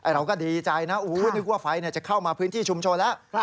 เราก็ดีใจนะนึกว่าไฟจะเข้ามาพื้นที่ชุมชนแล้ว